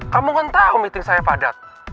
kamu kan tahu meeting saya padat